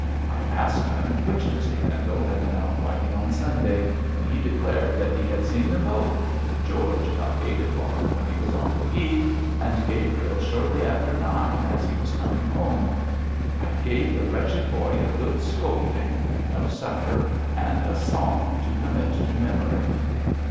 I asked him which Mr Pendle had been out riding on Sunday, and he declared that he had seen them both George about eight o'clock when he was on the Heath, and Gabriel shortly after nine, as he was coming home. I gave the wretched boy a good scolding, no supper, and a psalm to commit to memory!'